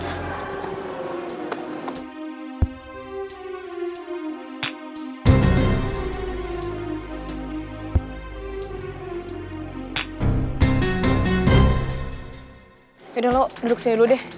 yaudah lo duduk sini dulu deh